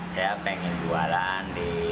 saya pengen jualan di